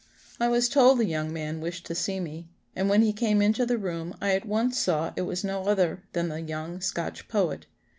] "I was told a young man wished to see me, and when he came into the room I at once saw it was no other than the young Scotch poet.